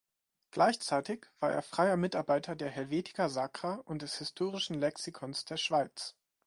Gleichzeitig war er freier Mitarbeiter der Helvetia Sacra und des Historischen Lexikons der Schweiz.